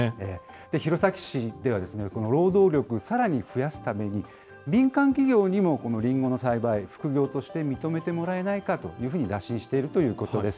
弘前市では、この労働力をさらに増やすために、民間企業にもこのりんごの栽培、副業として認めてもらえないかというふうに打診しているということです。